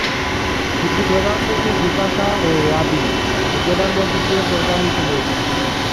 দু'টি প্রধান নদী বিপাশা এবং রাবি এ জেলার মধ্য দিয়ে প্রবাহিত হয়েছে।